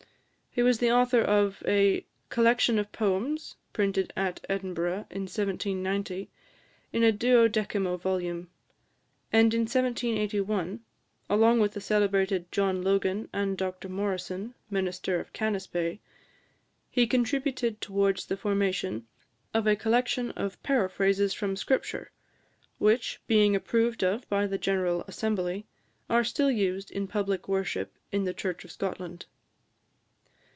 He was the author of a "Collection of Poems," printed at Edinburgh in 1790, in a duodecimo volume; and in 1781, along with the celebrated John Logan and Dr Morrison, minister of Canisbay, he contributed towards the formation of a collection of Paraphrases from Scripture, which, being approved of by the General Assembly, are still used in public worship in the Church of Scotland.